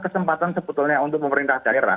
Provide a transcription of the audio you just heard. kesempatan sebetulnya untuk pemerintah daerah